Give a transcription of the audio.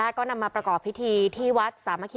ส่วนของชีวาหาย